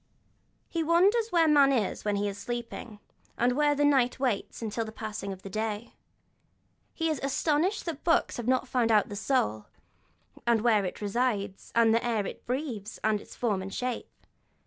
He wonders where man is when he is sleeping, and where the night waits until the passing of day. He is astonished that books have not found out the soul, and where it resides, and the air it breathes, and its form and shape.